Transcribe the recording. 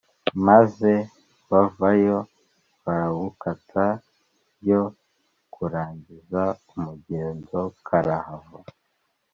maze bavayo barawukata byo kurangiza umugenzo karahava